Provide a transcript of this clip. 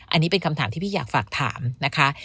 อันนี้เป็นคำถามที่พี่อยากฝากถามนะคะ